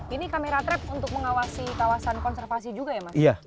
ini kamera trap untuk mengawasi kawasan konservasi juga ya mas